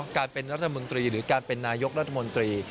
การเป็นรัฐมนตรีหรือการเป็นนายกรัฐมนตรี